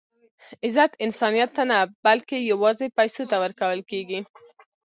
عزت انسانیت ته نه؛ بلکي یوازي پېسو ته ورکول کېږي.